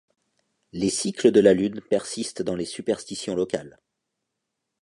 Les cycles de la Lune persistent dans les superstitions locales.